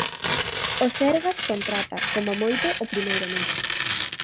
O Sergas contrata, como moito, o primeiro mes.